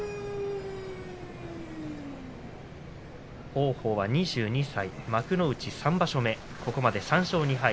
王鵬は２２歳、幕内３場所目ここまで３勝２敗。